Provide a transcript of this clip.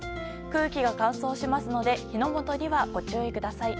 空気が乾燥しますので火の元にはご注意ください。